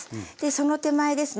その手前ですね